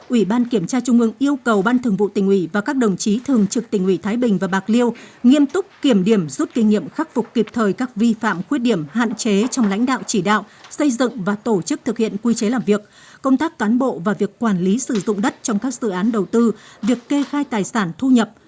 ủy ban kiểm tra trung ương yêu cầu ban thường vụ tỉnh ủy và các đồng chí thường trực tỉnh ủy thái bình và bạc liêu nghiêm túc kiểm điểm rút kinh nghiệm khắc phục kịp thời các vi phạm khuyết điểm hạn chế trong lãnh đạo chỉ đạo xây dựng và tổ chức thực hiện quy chế làm việc công tác cán bộ và việc quản lý sử dụng đất trong các dự án đầu tư việc kê khai tài sản thu nhập